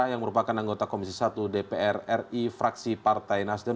yang merupakan anggota komisi satu dpr ri fraksi partai nasdem